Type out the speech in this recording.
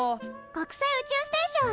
国際宇宙ステーション！